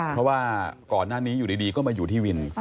เพราะว่าก่อนหน้านี้อยู่ดีก็มาอยู่ที่วิน